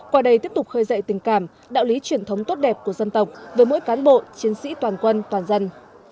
qua đây tiếp tục khơi dậy tình cảm đạo lý truyền thống tốt đẹp của dân tộc với mỗi cán bộ chiến sĩ toàn quân toàn dân